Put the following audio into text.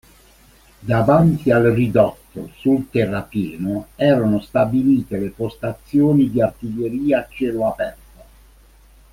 Davanti al ridotto, sul terrapieno, erano stabilite le postazioni di artiglieria a cielo aperto.